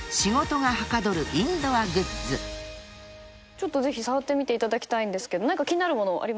ちょっとぜひ触ってみていただきたいんですけど何か気になる物あります？